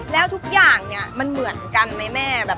แล้วทุกอย่างเนี่ยมันเหมือนกันไหมแม่แบบ